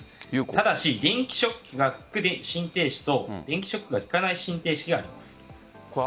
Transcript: ただし電気ショックが効く心停止と電気ショックが効かない心停止があります。